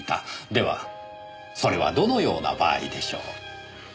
ではそれはどのような場合でしょう。